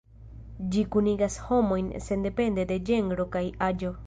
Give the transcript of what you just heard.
Ĝi kunigas homojn sendepende de ĝenro kaj aĝo.